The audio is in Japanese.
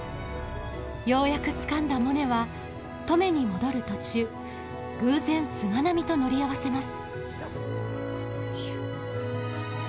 ようやくつかんだモネは登米に戻る途中偶然菅波と乗り合わせます。